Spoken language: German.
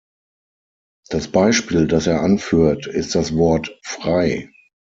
Das Beispiel, das er anführt, ist das Wort "frei".